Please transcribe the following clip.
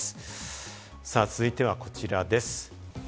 続いてはこちらです。